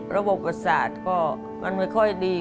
ระบบประสาทก็มันไม่ค่อยดี